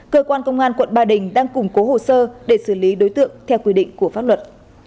cơ quan công an quận ba đình đang củng cố hồ sơ để xử lý đối tượng theo quy định của pháp luật